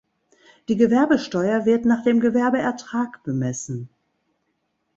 Die Gewerbesteuer wird nach dem Gewerbeertrag bemessen.